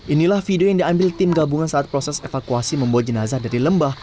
inilah video yang diambil tim gabungan saat proses evakuasi membuat jenazah dari lembah